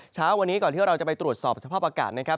เช้าวันนี้ก่อนที่เราจะไปตรวจสอบสภาพอากาศนะครับ